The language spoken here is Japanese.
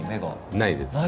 ないです。